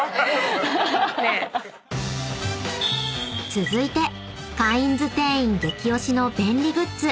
［続いてカインズ店員激オシの便利グッズ